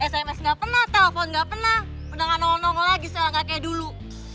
sms ga pernah telepon ga pernah undangan nongol nongol lagi setelah ngga kayak dulu